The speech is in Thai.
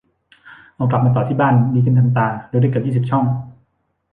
เอากลับมาต่อที่บ้าน ดีขึ้นทันตา ดูได้เกือบยี่สิบช่อง